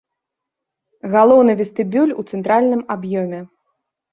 Галоўны вестыбюль у цэнтральным аб'ёме.